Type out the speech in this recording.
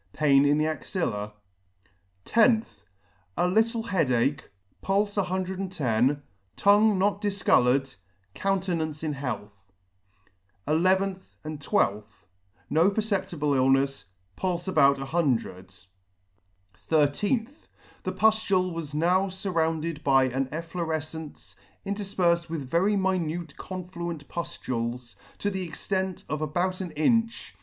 Pain in the axilla, loth. A little head ache ; pulfe no* tongue not difcoloured ; countenance in health. nth. — 12th. No perceptible illnefs ; pulfe about 100. 13th. The puftule was now furrounded by an efflorefcence, interfperfed with very minute confluent puftules, to the extent of about an inch.